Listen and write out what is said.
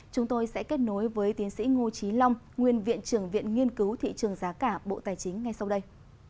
chúng tôi sẽ kết nối với tiến sĩ ngô trí long nguyên viện trưởng viện nghiên cứu thị trường giá cả bộ tài chính ngay sau đây